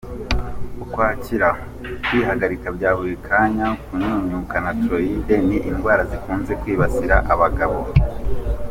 Ukwakira: Kwihagarika bya buri kanya, kunyunyuka na Thyroïde ni indwara zikunze kwibasira abagabo.